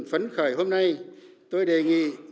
phấn khởi hôm nay tôi đề nghị